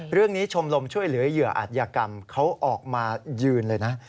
ชมรมช่วยเหลือเหยื่ออัธยกรรมเขาออกมายืนเลยนะ